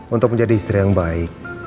untuk menjadi istri yang baik